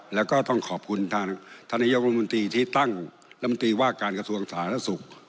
แล้วก็ต้องขอบคุณทางท่านนายกรมนตรีที่ตั้งลำตีว่าการกระทรวงสาธารณสุข